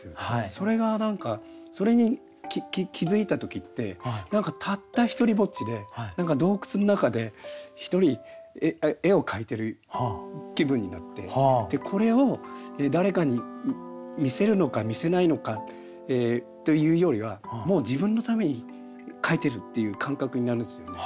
それが何かそれに気付いた時ってたった独りぼっちで洞窟の中で一人絵を描いてる気分になってこれを誰かに見せるのか見せないのかというよりはもう自分のために描いてるっていう感覚になるんですよね。